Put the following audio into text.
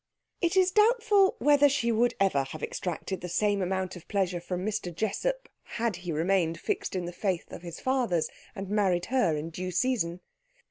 It is doubtful whether she would ever have extracted the same amount of pleasure from Mr. Jessup had he remained fixed in the faith of his fathers and married her in due season.